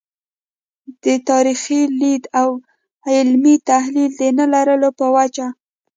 د تاریخي لید او علمي تحلیل د نه لرلو په وجه.